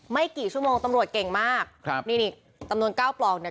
ไม่กี่ชั่วโมงตำรวจเก่งมากครับนี่นี่จำนวนเก้าปลอกเนี่ย